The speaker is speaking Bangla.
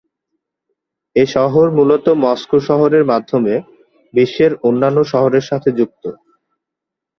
এই শহর মূলত মস্কো শহরের মাধ্যমে বিশ্বের অন্যান্য শহরের সাথে যুক্ত।